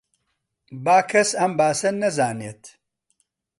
با کەس بەم باسە نەزانێت